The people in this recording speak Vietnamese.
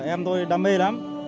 em tôi đam mê lắm